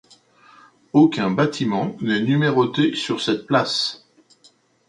Aucun bâtiment n'est numéroté sur cette place.